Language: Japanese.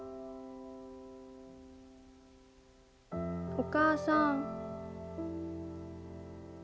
お母さん。